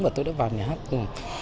và tôi đã vào nhà hát tuồng